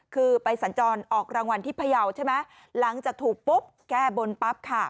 คือไปสัญจรออกรางวัลที่พยาวใช่ไหมหลังจากถูกปุ๊บแก้บนปั๊บค่ะ